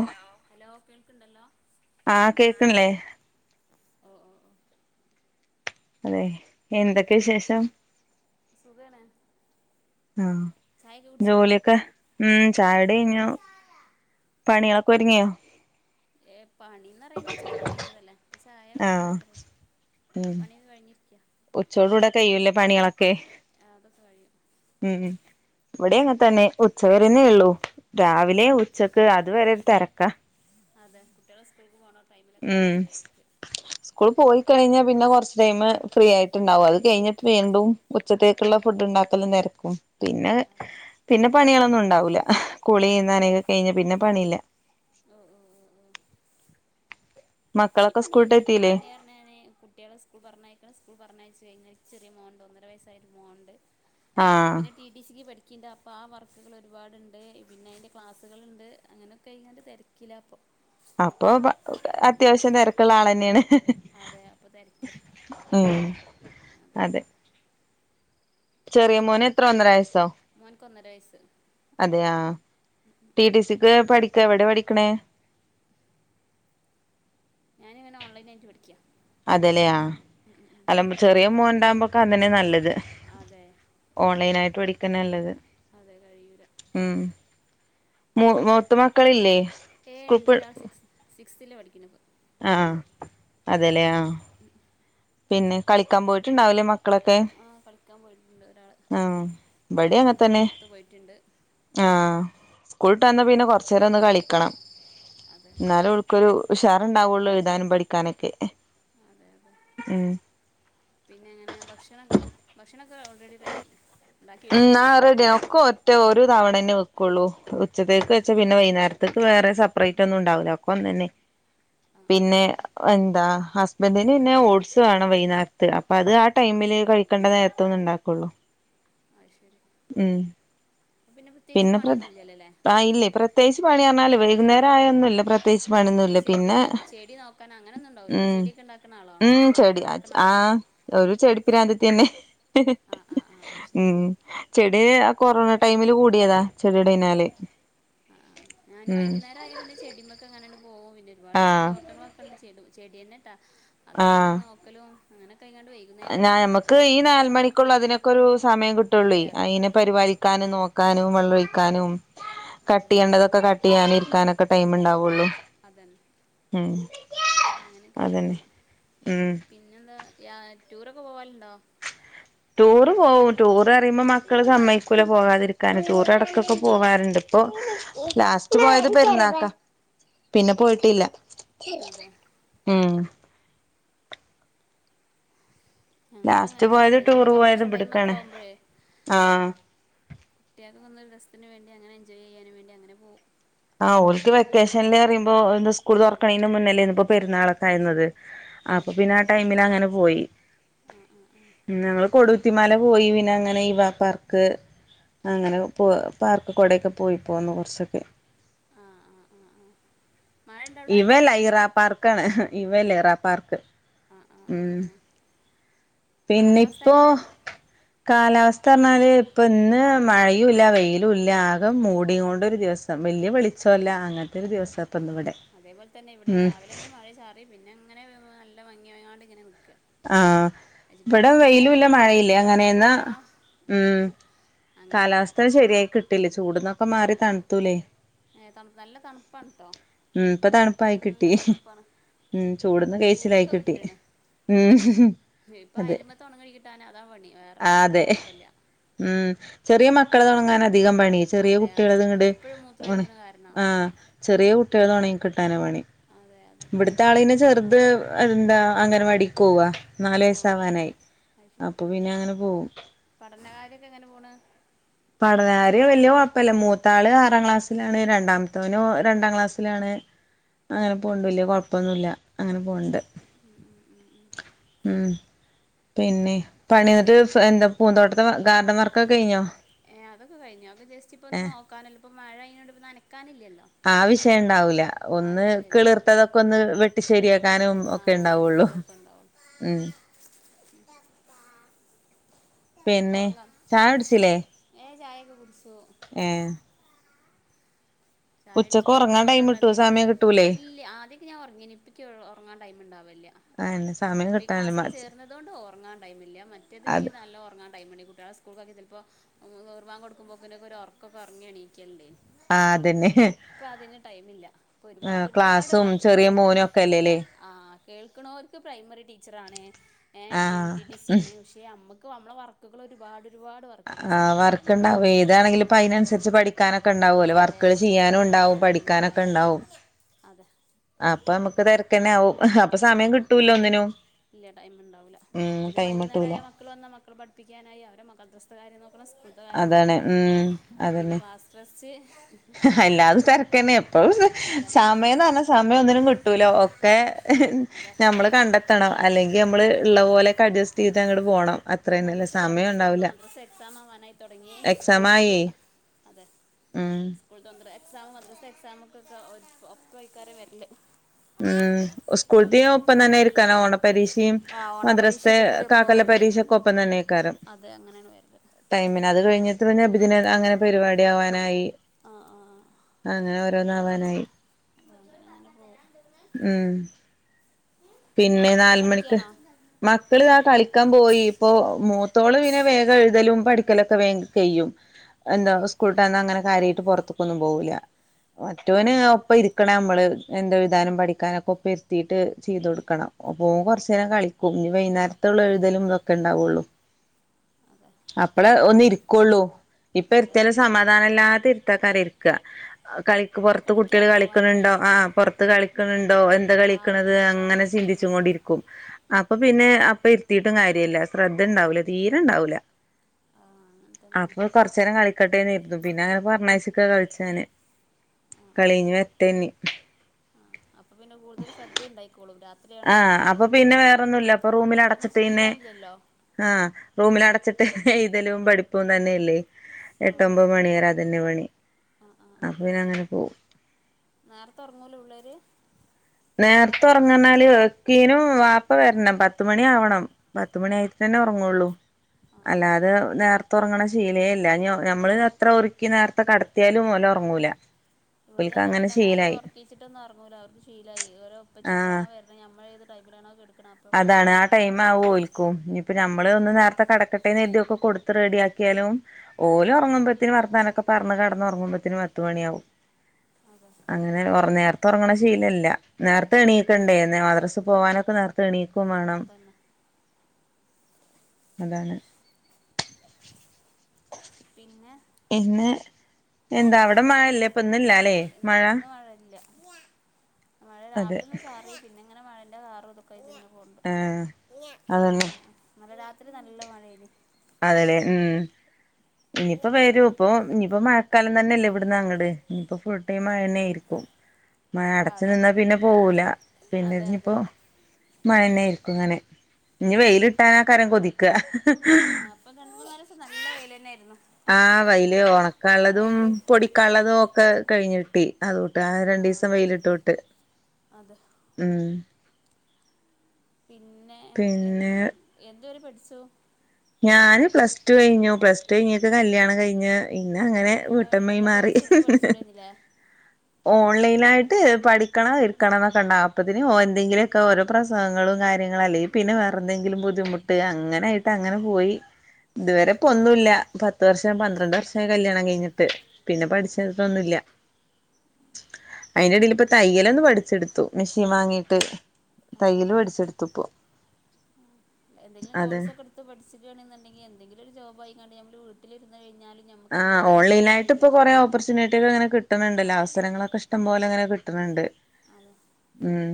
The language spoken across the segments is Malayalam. ഹലോ, ഹലോ കേൾക്ക്ണ്ടല്ലോ? ആ കേക്ക്ൺല്ലേ? ഒ ഓഹ് അതെ എന്തക്കെവിശേഷം? സുഖാണ്. ആഹ് ചായൊക്കെ കുടിച്ചില്ലേ ജോല്യൊക്കെ, മ് ചായടിയ്ഞ്ഞു. പണ്യളൊക്കൊര്ങ്ങ്യോ? ഏ പണിന്നറയാന് ഉച്ചക്ക് കഴിഞ്ഞതല്ലേ, ഇപ്പൊ ചായ ആ കുടിക്കാൻ മാത്രൊള്ളൂ. ഉം പണ്യൊക്കെ കഴിഞ്ഞിരിക്കാ. ഉച്ചോടൂടെ കയ്യുല്ലേ പണ്യാളൊക്കെ. അതൊക്കെ കഴിയും മ് ഇവിടെ അങ്ങൻതന്നെ ഉച്ച വരെന്നേയൊള്ളൂ രാവിലെ അതെ ഉച്ച ക്ക് അത് വരെ തെരക്കാ. അതെ കുട്ടിയാള് സ്കൂൾക്ക് പോണം മ് സ്കൂൾ പോയ് കയ്ഞ്ഞാ പിന്നെ കൊർച്ച് ടൈം ഫ്രീയായ്ട്ട്ണ്ടാവും ഫ്രീ അത് ആയി കയ്ഞ്ഞ വീണ്ടും ഉച്ചത്തേക്ക്ള്ള ഫുഡ് ണ്ടാക്കലും തെര്ക്കും. പിന്നെ അതെ പിന്നെ, പണ്യാളൊന്നുണ്ടാവൂല, കുളി ന്നനെക്കെ കഴിഞ്ഞാ പിന്നെ പണീല്ല. ഒ ഒ ഒ ഒ ഇക്കി മക്കളൊക്കെ സ്കൂളിട്ട് പണ്യയെന്നെണ് ഇക്ക് എത്തില്ലേ പണ്യ ഞാന് കുട്ട്യളെ സ്കൂൾ പറഞ്ഞയക്ക്ണ് സ്കൂൾ പറഞ്ഞയ്ചെയ്ഞ്ഞ ഇച്ച് ചെറ്യെ മോന്ണ്ടൊന്നര വസ്സായൊര് മോന്ണ്ട്. ആഹ് ഞ്ഞ്പ്ന്നെ റ്റി റ്റി സി ക്ക് പഠിക്ക്ണ്ട്. അപ്പ ആ വർക്ക്കളൊരുപാട്ണ്ട്, പിന്നയ്ൻ്റെ ക്ലാസ്കള്ണ്ട് അങ്ങനൊക്കായ്ങ്ങാ ണ്ട് തെര് കിലാപ്പൊ അപ്പൊ പ അത്യാവ്ശ്യം തെര്ക്ക്ള്ളാളെന്നേണ്. അതെ അപ്പ തെര്ക്യ. ഏഹ് അതെ ചെറ്യെ മോനെത്ര ഒന്നര വയസ്സൊ മോൻക്കൊന്നര വയസ്സ് അതെയാ ട്ടിട്ടീസിക്ക് പഠിക്ക, എവ്ടെ പഠിക്ക്ണെ? ഞാന്ങ്ങനെ ഓൺലൈനായ്ട്ട് പഠിക്കാ. അതെ ലെ ആഹ് അല്ല ചെറ്യെ മോൻണ്ടാവുമ്പൊക്കെ അതന്നെ നല്ലത്. അതെ ഓൺലൈനായ്ട്ട് പഠിക്കന്നല്ലത്. അതെ കയ്യൂല. മ് മു മൂത്ത മക്കളില്ലേ? ഏഹ് സ്കൂൾ ണ്ട് പോ ഒരാൾ സിക്സ് സിക്സ്ത്ത് ൽ പഠിക്ക്ണ് പ്പൊ ആഹ് ആഹ് അതെ ലെ ആഹ് ഉമ് പിന്നെ കളിക്കാ പോയ്ട്ട്ണ്ടാവ് ലെ മക് ആഹ് കളിക്കാ പോയ്ട്ട്ണ്ട് ഒരാൾ ആഹ് ഇബടി മോനിം അങ്ങൻ കൊണ്ട് തന്നെ പൊർത്ത് പോയ്റ്റ്ണ്ട് ആഹ് സ്കൂള്ട്ടന്ന പിന്നെ കൊറച്ചേരൊന്ന് കളിക്കണം. അതെ ന്നാലൊള്ള് കൊരു ഉഷാറ്ണ്ടാവൊള്ളൊ എഴുതാനും പഠിക്കാനൊക്കെ. അതെ അതെ ഉമ് പിന്നെ ങ്ങനെ ഭക്ഷണം ഭക്ഷണൊക്കെ ഓൾറെഡി കയ് ഉമ് ആ റെഡിയാകു ഒക്കെ ഒറ്റ ഒരു തവണ തന്നെ വെക്കുള്ളൂ ആ ഉച്ചത്തേക്ക് വെച്ചാ പിന്നെ വൈന്നേര തക് വേറെ സപ്പറേറ്റ് ഒന്നും ഉണ്ടാവുല ഒക്കൊന്നോന്നെ ആ ആ ആ എന്താ ഹസ് ബന്റിന് പിന്നെ ഓട്സ് വേണം വൈന്നേരത്ത് അപ്പൊ അത് ആ ടൈമില് കഴിക്കേണ്ട നേരത്ത ഒന്ന്ണ്ടാക്കുള്ളൂ. അഹ് ശരി ഉമ് അപ്പം പ്രത്യേകിച്ച് പിന്നെ പ്രത് പണിയൊന്നുമില്ലല്ലോല്ലേ പ്ര ഇല്ലേ പ്രത്യേകിച്ച് പണിയർഞ്ഞാല് വൈകുന്നേരം പിന്നെ ആയൊന്നുംല്ല പ്ര പ്രേച്ച് പണിയൊന്നുല്ല ചെടി പിന്നെ നന ചെടി നോക്കാൻ അങ്ങനൊന്നും ഉണ്ടാവില്ലല്ലോ ഉമ് ചെടിയൊക്കെ ഉണ്ടാക്കുന്ന ആളാണോ ഉമ് പൂന്തോട്ടമൊക്കെ ചെടിയാച് ഉണ്ടാക്കുന്ന ആളാണോ ആഹ് ഒരു ചെടി പ്പ്രാന്തത്തിയെന്നെ ആ ആ ആ അത് ശരി ഉമ് ചെടിയ ആഹ് കൊറോണ ടൈമില് കൂടിയതാ ചെടിയുടെ പിനാല് ഞാന് വൈകുന്നേര ആയാ പിന്നെ ചെടിമൊക്കെ അങ്ങനണ്ട് പോകും പിന്നെ ഒരുപാട് ആഹ് തോട്ടങ്ങളൊക്കെ ച ചെടിയെന്നെട്ടാ അതൊക്കെങ്ങനെ നോക്കലും അങ്ങനെക്കെ ആഹ് ഞമക്ക് ഈ നാല് മണിക്കുള്ളതിനൊക്കെ അങ്ങനെയൊക്കെ ഒരു ആകുമ്പോൾ സമയം കിട്ടുള്ളേ അതെ അത് അയിനെ അപ്പം പരിപാലിക്ക ക്കാനും നോക്കാനും വെള്ളൊഴിക്കാനും അതെ കട്ട്യ്യണ്ടതൊക്കെ കട് കട്ടയ്യാന് ഇരിക്കാനൊക്കെ ടൈംണ്ടാവുള്ളു. അതന്നെ ഉമ് അപ്പോൾ അങ്ങനെയൊക്കെ അതന്നെ ചെയ്യും ഉമ് പിന്നെന്താ യാ റ്റുറൊക്കെ പോവാൽണ്ടോ? റ്റുറ് പോവും ടൂറ് അറിയുമ്പോ മക്കള് സമ്മയ്ക്കൂല പോകാതിരിക്കാൻ റ്റുർടക്കൊക്കെ പോകാറുണ്ട്. അപൊ ലാസ്റ്റ് പോയത് പെരുന്നാക്ക പിന്നെ പോയിട്ടില്ല അതെ ഉമ് ഞങ്ങളും അങ്ങൻ ലാസ്റ്റ് തന്ന പോയത് എന്തെങ്കിലും ടൂറ് പോയത് വെക്കേഷൻ ടൈമക്കെ ഇബട്ക്കാണ് ആവുമ്പോഴേ ആഹ് കുട്ടിയേക്കൊന്ന് ഒരു രസത്തിന് വേണ്ടി അങ്ങനെ എൻജോയ് ചെയ്യാനും വേണ്ടി അങ്ങനെ പോവും. ആ ഓൽക്ക് വെക്കേഷൻൽ അറിയുമ്പോ ത് സ്കൂൾ തുറക്കണെന് മുന്നേലേ പൊ പെരുന്നാളൊക്കെ ആയിര്ന്നത് അപ്പൊ പിന്നെ ആഹ് ടൈമിന് അങ്ങനെ പോയി. ആഹ് ആഹ് ആഹ്. ഞങ്ങള് കൊടുത്തിമാല പോയി പിന്നെ അങ്ങനെ ഈ വ പാർക്ക് അങ്ങനെ പോ പാർക്ക് കൂടെയൊക്കെ പോയി പോന്ന് കൊർച്ചൊക്കെ ആഹ് ആഹ് ആഹ് ആഹ് ഇ വ ലൈ റാ പാർക്കാണ് ഇ വ ലൈ റാ പാർക്ക്. ആഹ് ആഹ് ആഹ് ആഹ് പിന്നെപ്പോ കാലാവസ്ഥ ർഞ്ഞാല് ഇപ്പ ഇന്ന് മഴുല്ല വെയിലും ല്ല ആകെ മൂടി കൊണ്ട് ഒരു ദിവസം വല്യ വെളിച്ചോല്ല അങ്ങൻത്തെരു ദിവസം. ഇപ്പ ഇന്ന് ആഹ് ഇവിടെ അതേപോൽ തന്നെ വിടെ ഉം രാവിലെ ഒന്നും മഴ ചാറി പിന്നെ ഇങ്ങനെ നല്ല ഭംഗിയ വയാണ്ട് ഇങ്ങനെ നിക്ക ആഹ് ഇവിട വെയിലും ല്ല മഴയില്ലേ എടുത്താൽ എടുക്കും അങ്ങനെന്ന് വേണം ഉമ് അങ്ങനെ ഒരു ഇത് കാലാവസ്ഥ ശരിയായി കിട്ടില്ലേ ചൂട്ന്നൊക്കെ മാറി തണുത്തൂലേ? ഏ, തണു- നല്ല തണുപ്പാണ് കേട്ടോ ഉം ഇപ്പൊ തണുപ്പായി നല്ല കിട്ടി തണുപ്പാണ് ഉം ചൂട്ന്ന് കേയിച്ചിലായി കിട്ടി. ഉം ഇപ്പൊ അതെ അയല്മെത്ത ഒണങ്ങി കിട്ടാന അതാ പണി ആ വേറെള്ളതൊക്കെ അതെ കൊഴപ്പല്ല. ഉം ചെറിയ മക്കൾത് ഒണങ്ങാന അധികം പണി ചെറിയ അതെയോ കുട്ടികൾത്ങ്ങട്ട് എപ്പഴും ഒണ് മൂത്രമൊഴിക്കണ കാരണോ ആ ചെറിയ കുട്ടികൾത് ഒണങ്ങി കിട്ടാന പണി അതെ അതെ ഇവിടുത്തെ ആളിനെ ചെറുത് എന്താ അങ്കനവാടി കോവാ നാല് ആ വയസവാനായി അപ്പൊ പിന്നെ അങ്ങനെ പോവും പഠനകാര്യൊക്കെ എങ്ങനെ പോണ്? പഠനാര് വല്യ കൊഴപ്പല്ല മൂത്താള് ആറാം ക്ലാസ്സിലാണ് രണ്ടാമത്തോന് രണ്ടാം ക്ലാസ്സ്ലാണ്. അങ്ങനെ പോവ്ണ്ട് വെലിയ കൊഴപൊന്നുമില്ല അങ്ങനെ പോവ്ണ്ട് ഉം ഉം ഉം ഉം പിന്നെ പണി എന്നിട്ട് ഫ് എന്താ പൂന്തോട്ടത്തെ ഗാ ഗാർഡൻ വർക്കൊക്കെ കഴിഞ്ഞോ ഏഹ് അതൊക്കെ കഴിഞ്ഞ് അത് ജെസ്റ്റിപ്പോ ഒന്ന് ഏഹ് നോക്കാനല്ലിപ്പോ മഴയിങ്ങനൊണ്ട് ഇപ്പോ നനക്കാനില്ലല്ലോ ആ വിഷയം ഇണ്ടാവൂല്ല ആ ഒന്ന് വിഷയമില്ല കിളിർത്തതൊക്കെ ഒന്ന് വെട്ട് ട്ട് ശരിയാക്കാനും ആ ഒക്കെ ഉണ്ടാവോള്ളൂ അങ്ങനത്തതൊക്കെ ഉണ്ടാവുള്ളൂ ഊം [inaudible] പിന്നെ ചായുടിച്ചില്ലേ ഏഹ് ചായേക്ക കുടിച്ചു ഏഹ് ചായുടിച്ചു ഉച്ചക്ക് ഉറങ്ങാൻ പരിപ്പുവട ടൈം കിട്ടുവോ ഒണ്ടാതിന് സമയം കിട്ടൂലേ ഇല്ല ആദ്യൊക്കെ ഞാൻ ഒറങ്ങിനി ഇപ്പിക്ക് ഒ ഒറങ്ങാ ടൈം മിണ്ടാവില്ല ആഹ് എന്നെ സമയം ഇപ്പ ഈ കിട്ടാനില്ല ക്ലാസ്സിൽ മ ചേർന്നതുകൊണ്ട് ഒറങ്ങാൻ ടൈമില്ല മറ്റേതിക്ക് അത് നല്ല ഒറങ്ങാൻ ടൈം മണി കുട്ടികള സ്കൂൾക്കാക്കിയ ചെലപ്പോ ഉറങ്ങാ കൊടുക്കുമ്പോ പിന്നേക്ക് ഒരു ഒറക്കോക്കറങ്ങി എണീക്കേണ്ടെ ആഹ് അതന്നെ ഹ് ഇപ്പ അതിന് ടൈമില്ല ഇപ്പ ഒരുപാട് ഒരുപാട് ക്ലാസ്സും ചെറിയ വർക്ക്കളിണ്ട് മോനും ഒക്കെ ക്യാ അല്ലേല്ലേ ആ കേൾക്കണോർക്ക് പ്രൈമറി ടീച്ചറാ ണേ ഏഹ് ആ ടിം ടി ടി സി ഉം യാണ് ഏ അമ്മുക്ക് അമ്മളെ വർക്ക്കള് ഒരുപാട് ഒരുപാട് വ ക്ക്കള് ആ ചെയ്യാന്ണ്ട് വർക്ക് ഞമ്മക്ക് ഉണ്ടാവും ഏതാണെങ്കിലും ഇപ്പ ഒരു പാട് അതിനനുസരിച്ച് പഠിക്കാനൊക്കെ ഉണ്ടാവുമല്ലോ അതേ വർക്കുകൾ ഇ ചെയ്യാനും അതിന്റെതായ ഉണ്ടാവും സൾണ്ടാവും അതെ അതെ ആഹ് അപ്പ അമ്മക്ക് തര് കെന്നെ ആവു അപ്പൊ ആഹ് സമയം ഭയങ്കര കിട്ടൂല തിരക്ക് ഒന്നിനും ഇല്ല ടൈം ഉണ്ടാവൂല ഉം പിന്നെ ടൈം ഇട്ടൂല വൈകുന്നേരമായ മക്കൾ വന്ന മക്കൾ പഠിപിക്കാനായി അവരെ മകൾസ്ഥകാര്യം നോക്കണം സ്കൂൾ അതാണ് ഉം അതന്നെ ടെസ്റ്റ് ഹാ എല്ലാതും തെരക്കന്നെ പോ പിന്നെ അതെ സമയംന്ന് പറഞ്ഞാ സമയൊന്നിനും കിട്ടൂലോ ഒക്കെ എഹ് അതെ ഞമ്മള് കണ്ടെത്തണം അല്ലെങ്കി നമ്മള് അതെ ഇള്ള പോലെക്ക അഡ്ജസ്റ്റെയ്ത് അങ്ങാട് പോണം അത്രന്നല്ലെ സമയം ഉണ്ടാവൂല്ല എക്സാമാവാനായി തൊടങ്ങിയേ സ്കൂൾത്തതു ആയേ അതെ ഉം ഇപ്പോഴത്തെ [unintelligible] എക്സാമ് മദ്രസ എക്സാമ് ഒക്കെക്ക ഒപ്പ ഒപ്പ ആൾക്കാര് വരണ്ട് ഊം ഉസ്കൂൾത്തേം ഒപ്പം തന്നെ ഇരിക്കാനോ ഓണ പരീക്ഷേം മദ്രസത്തെ കാക്കൊല്ല പരീക്ഷൊക്കൊപ്പ അതേ അങ്ങനേണ് വരത് ടൈമിന് അത് കഴിഞ്ഞിത് പിഞ്ഞെ നബിദിന അങ്ങനെ പരിപാടി ആവാനായി ആഹ് ആഹ് അങ്ങനെ ഓരോന്നാവാനായി ങാ അങ്ങനെ പോവും ഊം പിന്നെ മക്കളൊക്കെ നാല് മണിക്ക് കളിക്കുകയാണോ മക്കള് ദാ കളിക്കാൻ പോയി ഇപ്പോ മൂത്തോള് പിന്നെ വേഗം എഴുതലും പഠിക്കലൊ ഇപ്പ വേഗം കഴിയും എന്താ ആഹ് സ്കൂൾടന്ന് അങ്ങനെ കാര്യായിട്ട് പൊറത്ത്ക്കൊന്നും പോവൂല്ല ആഹ് മറ്റവന് ഒപ്പ ഇരിക്കണേ അമ്മള് എന്താ എഴുതാനും പഠിക്കാനൊക്കെ ഒപ്പ ഇരുത്തീട്ട് ചെയ്ത്കൊടു ക്കണ അപ്പൊ ഓൻ കൊറച്ചു നേരം കളിക്കും ഇനി വൈന്നേരത്ത ഒള്ളാരു എഴുതലും ഇതൊക്കെ ഒണ്ടാവുള്ളൂ അതെ അപ്പളേ ഒന്ന് ഇരിക്കോള്ളൂ ഇപ്പ അതെ ഇരുത്യാലും സമാധാനല്ലാത്ത ഇരുത്തകാരം ഇരിക്ക കളിക്ക് പൊറത്ത് കളിക്കാൻ കുട്ടികള് പോവാൻ കളിക്കണംണ്ടോ വേണ്ടിയിട്ട് ആഹ് പൊറത്ത് കളിക്കണുണ്ടോ എന്താ ആ ഒരു കളിക്കണത് അങ്ങനെ ഇഷ് ബേജാറിലേക്കാരം മക്കള് ചിന്തിച്ചുങ്ങ്കൊണ്ടിരിക്കും ഒ അപ്പൊ പിന്നെ അപ്പ ഇരുത്തീട്ടും കാര്യല്ല ശ്രദ്ധ ഇണ്ടാവൂല്ല തീരെ ഇണ്ടാവൂല്ല ആഹ് അങ്ങനെ തന്നെയാണ് അപ്പൊ കൊറച്ചേരം കളിക്കട്ടേന്നേ ര്തും പിന്നെ അങ്ങനെ പറഞ്ഞാചിക്ക കളിച്ചാന് ആഹ് ആഹ് ആഹ് കളീഞ്ഞു വരട്ടേ നി ആഹ് അപ്പൊ പിന്നെ കൂടുതൽ ശ്രദ്ധ ഇണ്ടായിക്കോളും രാത് ആഹ് അപ്പൊ പിന്നെ വേറൊന്നുല്ല അപ്പൊ റൂമില് വേറൊന്നും അടച്ചിട്ട് അന്നെ ചിന്തിക്കാനില്ലല്ലോ ആഹ് റൂമില് അടച്ചിട്ട് എഴുതലും പഠിപ്പും തന്നെയല്ലേ അതെ എട്ടൊമ്പത് മണിരെ അതന്നെ പണി ആഹ് അപ്പ പിന്നെ അങ്ങനെ പോകും നേർത്തെ ഒറങ്ങൂല്ലേ പിള്ളേര് നേർത്തെ ഒറങ്ങാണാല് ഒക്കീനും വാപ്പ വരണം പത്ത് പത്തുമണി ആവണം പത്തു മണി ആയിട്ടന്നെ ഒറങ്ങുള്ളൂ ആഹ് ആഹ് ആഹ് അല്ലാതെ ആഹ് നേർത്തേ ഒറങ്ങണ ശീ ശീലേല്ല, നമ്മളിനി എത്ര ഒരുക്കി നേരത്തെ കടത്തിയാലും ഒന് ഉറങ്ങൂല. ഇവിടെ ഓൽക്ക് അങ്ങനെ തന്നെ നേരത്തെ ശീലായി ഉറക്കി. ച്ചിട്ടൊന്നും ഉറങ്ങൂല്ല, അവർക്ക് ശീലായി ഓര ഉപ്പച്ചി ആഹ് എപ്പോഴാണോ വരണത് നമ്മൾ ഏത് ടൈമിലാണോ കടക്കണത് അപ്പ അതാണ് ആഹ് ടൈം ആവും ഓൽക്കും. ഇനിയിപ്പോ നമ്മള് അതെ ഒന്ന് നേരത്തെ കടക്ക ക്കട്ടെന്ന് കരുതി ഒക്കെ കൊടുത്ത് റെഡിയാക്കിയാലും, ഓല് ഒറങ്ങുമ്പത്തേന് വർത്താനംക്കെ പറഞ്ഞ് കടന്ന്റങ്ങുമ്പോത്തേന് പത്ത് മണിയാവും. അതെ അങ്ങനെ ഒറ നേരത്തെ ഒറങ്ങണ ശീലല്ല, നേരത്തെ എണീക്കണ്ടേ മദ്രസയിൽ പോവാനൊക്കെ നേര തണീക്കും വേണം. അതന്നെ അതാണ്. പിന്നെ. ഇന്ന് എന്താ അവിടെ മഴ ഇല്ലേ, ഇപ്പന്ന്ല്ലല്ലേ മഴ. മഴല്ല മഴ അതെ രാവിലെ ഒന്ന് ചാറി, പിന്നെങ്ങനെ മഴന്റെ കാറും ഇതൊ ക്കെ ആയിട്ട് ഇങ്ങനെ പോണ്ട്, ആഹ് ആഹ് അതന്നെ ആഹ് ഇന്നലെ രാത്രി നല്ല മഴേനി. അതല്ലേ ഉം ഇനിയിപ്പോ വരും, ഇപ്പോ ഇനിയിപ്പോ മഴക്കാലം തന്നെയല്ലേ ഇവിടന്ന് അങ്ങട്. ഇഞ്ഞ് ഇപ്പോ ഫുൾ ടൈം മഴന്നേയിരിക്കും. മഴ ആ അടച്ചു അതെ നിന്നാ പിന്നെ പോവൂല, അതെ പിന്നെരിഞ്ഞ് അതെ ഇപ്പോ മഴന്നെയിരിക്കും ഇങ്ങനെ ഇനി വെയിലിട്ടാനകാരം കൊതിക്ക. ആഹ് ഇപ്പോ രണ്ട് മൂന്നാലീസംവര നല്ല വെയിലെന്നായിരുന്നു. ആഹ് വെയിൽ ഒണക്കാള്ളതും പൊടിക്കാള്ളതും ഒക്കെ കഴിഞ്ഞിട്ടി, അതൊ ആഹ് ആ രണ്ടിസം വെയിലിട്ടോട്ട് അതെ ഉം. പിന്നെ എ പിന്നെ എന്ന് എന്ത് വരെ പഠിച്ചു. ഞാന് പ്ലസ് ടു കഴിഞ്ഞു പ്ലസ് ടു കഴിഞ്ഞിക്ക് കല്യാണം കഴിഞ്ഞ് പിന്നങ്ങനെ വീട്ടമ്മായി മാറി. ചുടന്നിലേ. ഓൺലൈനായിട്ട് പഠിക്കണം ഇട്ക്കണം എന്നൊക്കെണ്ടാവും, അപ്പത്തിന് ഓൻ എന്തെങ്കിലുമൊക്കെ ഓരോ പ്രസവങ്ങളും കാര്യങ്ങളും അല്ലെങ്കിൽ പിന്നെ വേറെന്തെങ്കിലും ബുദ്ധിമുട്ട് അങ്ങനെയിട്ട് അങ്ങനെ പോയി. ഇതുവരെ ഇപ്പൊന്നുല്ല പത്ത് വർഷം പന്ത്രണ്ട് വർഷായി കല്ല്യാണം കഴിഞ്ഞിട്ട്. പിന്നെ പഠിച്ചട്ടൊന്നുല്ല. അയിന്റെ ഇടൽ ഇപ്പോ തയ്യൽ ഒന്ന് പഠിച്ചെടുത്തു മെഷീൻ വാങ്ങിട്ട്. ആ ആ തയ്യൽ ആ പഠിച്ചെടുത്തു ഇപ്പോ. എന്തെങ്കിലും കോഴ്സ് ഒക്കെ എടുത്ത് പഠിച്ച്ക്കാണെങ്കിൽ എന്തെങ്കിലും ഒരു ജോബായിക്കാണ്ട് നമ്മള് വീട്ടിലിരുന്ന് കഴിഞ്ഞാല്. ആഹ് ഓൺലൈനായിട്ട് ഇപ്പോ കുറെ ഓപ്പർച്യൂണിറ്റികൾ ഇങ്ങനെ ആ കിട്ടുന്നുണ്ടല്ലോ അവസരങ്ങളൊക്കെ ഇഷ ഇഷ്ടം പോലെ അങ്ങനെ കിട്ടണണ്ട്. അതെ ഉം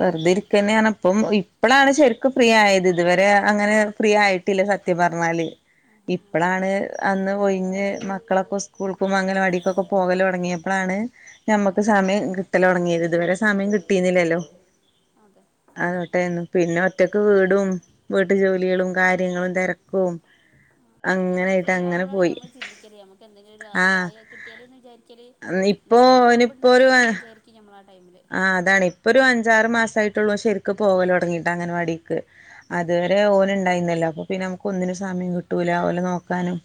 വെറുതെ ഇരിക്കന്നെണിപ്പം ഇപ്പളാണ് ശരിക്കും ഫ്രീ ആയത്, ഇതുവരെ അങ്ങനെ ഫ്രീ ആയി ട്ടില്ല സത്യം പറഞ്ഞാല്. ആ ആ ഇപ്പോളാണ് അന്ന് ഒയിഞ്ഞ് മക്കളൊക്കെ സ്കൂൾക്കും അംഗനവാടിക്കൊക്കെ പോകല് തുടങ്ങിയപ്പോളാണ് ഞമ്മക്ക് സമയം കിട്ടലൊടങ്ങിയത്, ഇതുവരെ സമയം കിട്ടീന്നില്ലല്ലോ. അതെ. അതൊട്ടേന്ന് പിന്നെ ഒറ്റക്ക് വീടും വീട്ടു ജോലികളും കാര്യങ്ങളും തിരക്കും നമ്മളത് ഫ്രീ ആകുമ്പോഴാണ് ഞമ്മൾ ചിന്തിക്കല് ഞമ്മക്ക് എന്തെങ്കിലും ഒരു ഇത് ആഹ് ആയ കിട്ടിയാലെന്ന് വിചാരിക്കല്. ഇപ്പോ എന്തെങ്കിലും ഒരു ജോബ് ഉണ്ടായാലെന്ന് വിചാരിക്കും നമ്മള് ആ ടൈമില്. ആഹ് അതാണ് ഇപ്പൊരു അഞ്ചാറ് മാസയിട്ടുള്ളു ശെരിക്ക് പോകല് തുടങ്ങിയിട്ട് അംഗൻവാടിക്ക്. അതുവരെ ഓന് ഉണ്ടായിരുന്നല്ലോ, അപ്പോ പിന്നെ നമുക്ക് ഒന്നിനും സമയം കിട്ടൂല ഓലെ നോക്കാനും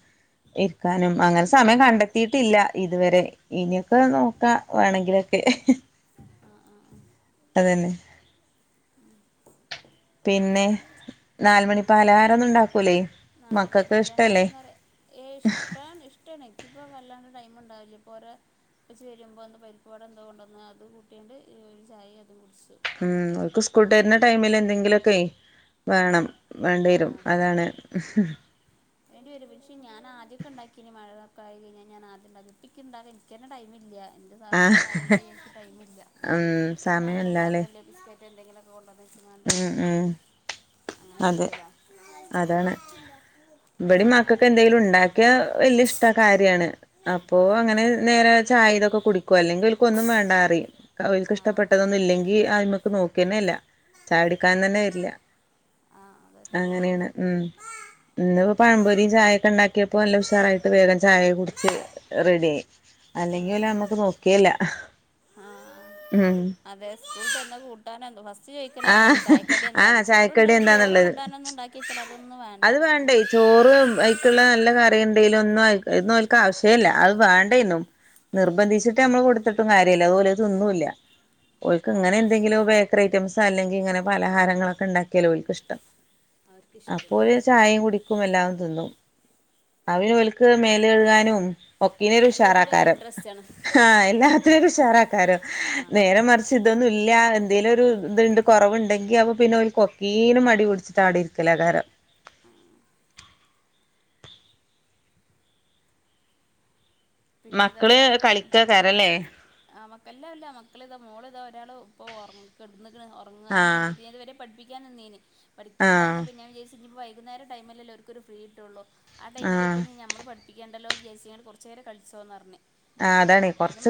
ഇരിക്കാനും അങ്ങനെ സമയം കണ്ടെത്തിയിട്ടില്ല ഇതുവരെ ഇനിയൊക്കെ നോക്കാം വേണെങ്കിലൊക്കെ. ആ ആ ആ അതന്നെ. പിന്നെ നാല് മണി പാലഹാരൊന്നും ഉണ്ടാക്കൂലേ. നാല് മണി മക്കൾക്ക് ഇഷ്ടല്ലേ പലഹാരന്നറിയ ഏഹ് ഇഷ്ടാണ് ഇഷ്ടമാണ് ഇനിക്കിപ്പൊ വല്ലാണ്ട് ടൈം ഉണ്ടാവില്ലേ ഇപ്പോ ഓരെ ഉപ്പച്ചി വരുമ്പോൾ എന്തോ പരിപ്പ് വട എന്തോ കൊണ്ട് വന്ന് അത് കൂട്ട്യാണ്ട് ഒരു ചായയും അതും കുടിച്ചു ഉം ഓര്ക്ക് സ്കൂൾ വിട്ടുവരുന്ന ടൈമിൽ എന്തെങ്കിലുമൊക്കെ ഓ വേണം വേണ്ടി ആ വരും അതെ അതാണ് ഇഹ് വേണ്ടി വെരും പക്ഷെ ഞാൻ ആദ്യമൊക്കെ ഉണ്ടാക്കിനി മഴയൊക്കെ ആയി കഴഞ്ഞാ ഞാൻ ആദ്യം ഉണ്ടാക്കി ഇപ്പൊ ഇന്കി ഇണ്ടാക്കാൻ ഇനിക്ക് തന്നെ ടൈമില്ല ആ വർക്കും കാര്യം ചെയ്യാൻ ഇന്കി ടൈമില്ല ഉം പിന്നെ അങ്ങനെ സമയല്ലാല്ലേ ഇണ്ടാക്കല്ല ബിസ്ക്കറ്റ് എന്തെങ്കിലുമൊക്കെ കൊണ്ടുവന്ന് വെച്ച്ങ്ങാണ്ട് ഉം ഉം അങ്ങനെ അതെ ചെയ്യലാ ഇബടീം മക്കക്കൊക്കെ എന്തെങ്കിലും ഇണ്ടാക്കിയ വല്ല്യ ഇഷ്ട കാര്യാണ് അപ്പോ ആ അങ്ങനെ നേരെ ചായ ഇതൊക്കെ കുടിക്കും അല്ലെങ്കിൽ ഓൾക്ക് ഒന്നും വേണ്ടാന്ന് പറയും ഓല്ക്ക് ആ ഇഷ്ടപ്പെട്ടതൊന്നും ഇല്ലെങ്കിൽ ഈ അയിമ്മക്ക് നോക്കെന്നെ ഇല്ല ചാട കുടിക്കാൻ തന്നെ വരില്ല ആ അതെ അങ്ങനെയാണ് ഉം ഇന്ന് ഇപ്പോ പഴംപൊരിയും ചായയൊക്കെ ഉണ്ടാക്കിയപ്പോ നല്ല ഉഷാറായിട്ട് വേഗം ചായ കുടിച്ച് റെഡി ആയി ആ അല്ലെങ്കിൽ ഓല് അയിമെക്ക് നോക്കേല്ല ആഹ് ഉം അതെ സ്കൂൾ തുറന്നത് കൂട്ന എന്തോ ഫസ് റ്റ് ചോദിക്കല് അതാണ്‌ ആഹ് ചായക്കടി ആഹ് എന്താന്ന് ചോറുണ്ട് ചായക്കടി ചോറും എന്താന്നുള്ളത് കൂടാനൊന്നുണ്ടാക്കി വെച്ചിട്ട് അതൊന്നും വേണ്ട അത് വേണ്ടേ ചോറ് അത്ക്കുള്ള നല്ല കറി എന്തെങ്കിലും ഒന്നും അതൊന്നും ഓല്ക്ക് ആവശ്യേല്ല അത് വേണ്ടേനും നിർബന്ധിച്ചിട്ട് നമ്മള് കൊടുത്തിട്ടും കാര്യല്ല അതു ഓല് അത്‌ തിന്നും ഇല്ല ഓല്ക്ക് ഇങ്ങനെ അതെ എന്തെങ്കിലോ ബേക്കറി ഐറ്റംസാ അല്ലെങ്കിൽ ഇങ്ങനെ പലഹാരങ്ങളൊക്കെ ഇണ്ടാക്കിയാലാ ഓല്ക്ക് ഇഷ്ടം അപ്പൊ അവർക്കിഷ്ടമാണ് ഓര് ചായയും കുടിക്കും എല്ലാം തിന്നും ഇന്നാ പിന്നെ ഓല്ക്ക് മേല് കഴുകാനും ഒക്കീനും ഒരു എല്ലാത്തിനും ഒരു ഉഷാറാക്കാരം ഇൻട്രസ്റ്റ് ആണ് ആ എല്ലാത്തിനും ഉഷാറാക്കാരും ആഹ് നേരെ അതെ മറിച്ച് ഇതൊന്നും ഇല്ല്യ എന്തേലും ഒരു ഇത്ണ്ട് കുറവുണ്ടെങ്കിൽ അപ്പൊ പിന്നെ തീരെ മടി പിടിച്ചിട്ട് അവിടെ ഇരിക്കലാ കാരം ആഹ് പിന്നെതാ മക്കള് ഒരാള് വന്ന് കളിക്കക്കാരല്ലേ ആ മക്ക അല്ല അല്ല മക്കളിതാ മോള് ഇതാ ഒരാൾ ഇപ്പോ ഉറ കിടന്നിക്ക്ണ് ഉറങ്ങാൻ ആഹ് വേണ്ടിട്ട് ഞാൻ ഇത് വരെ പഠിപ്പിക്കാൻ നിന്നിന് പഠിപ്പിക്കാൻ ആഹ് നിന്നപ്പൊ ഞാൻ വിചാരിച്ച് ഇനി ഇപ്പോ വൈകുന്നേരം ടൈമിലല്ലേ ഓര്ക്കൊരു ഫ്രീ കിട്ടുള്ളൂ ആ ആഹ് ടൈമിലും ഇപ്പോൾ ഇനി നമ്മൾ പഠിപ്പിക്കണ്ടല്ലോ എന്ന് വിചാരിച്ച്ങ്ങാണ്ട് കുറച്ച് നേരം കളിച്ചോന്ന് പറഞ്ഞ് ആഹ് അതാണ് കുറച്ച് പിന്നെ